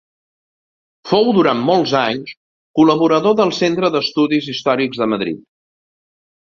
Fou durant molts anys, col·laborador del Centre d'Estudis Històrics de Madrid.